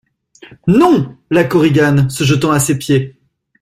Non ! LA KORIGANE, se jetant à ses pieds.